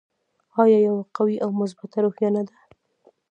آیا یوه قوي او مثبته روحیه نه ده؟